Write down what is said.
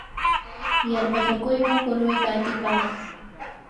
yarpachakuywan punuyta atipatsu.